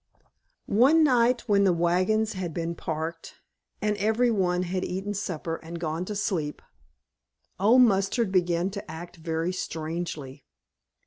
One night, when the wagons had been parked and every one had eaten supper and gone to sleep, Old Mustard began to act very strangely.